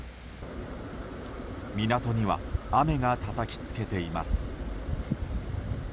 港には雨がたたきつけています。